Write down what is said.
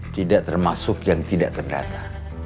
tidak termasuk yang tidak terdata